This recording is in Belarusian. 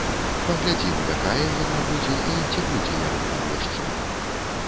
Паглядзім, якая яна будзе і ці будзе яна там яшчэ!